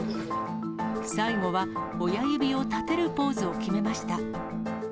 最後は親指を立てるポーズを決めました。